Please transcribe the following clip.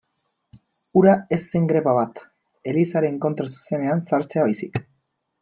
Hura ez zen greba bat, Elizaren kontra zuzenean sartzea baizik.